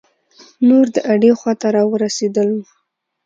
نور د اډې خواته را ورسیدلو.